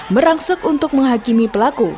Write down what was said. merangsek untuk menghakimi pelaku